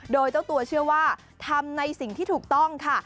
โดยเจ้าตัวเชื่อว่าทำในสิ่งที่ถูกต้องค่ะ